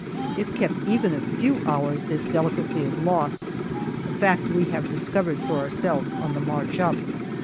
If kept even a few hours this delicacy is lost a fact we have discovered for ourselves on the march up.